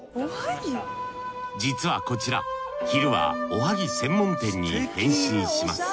実はこちら昼はおはぎ専門店に変身します。